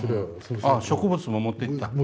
植物も持っていった？